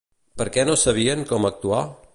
Per què no sabien com actuar?